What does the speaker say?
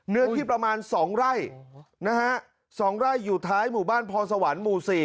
เนื้อที่ประมาณ๒ไร่นะฮะ๒ไร่อยู่ท้ายหมู่บ้านพรสวรรค์หมู่๔